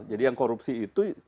jadi yang korupsi itu